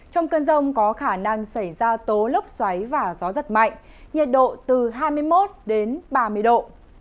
trong cơn rông có khả năng xảy ra tố lốc xoáy và gió giật mạnh nhiệt độ từ hai mươi một ba mươi độ